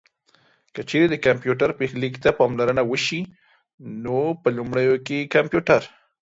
که چېرې د کمپيوټر پيښليک ته پاملرنه وشي نو په لومړيو کې کمپيوټر